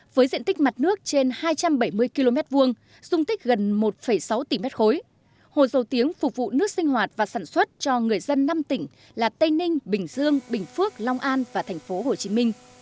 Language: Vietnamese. với diện tích mặt nước trên hai trăm bảy mươi km hai dung tích gần một sáu tỷ m ba hồ dầu tiếng phục vụ nước sinh hoạt và sản xuất cho người dân năm tỉnh là tây ninh bình dương bình phước long an và tp hcm